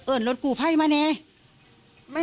เอิ่นรถกรูไพ่มาเนี่ย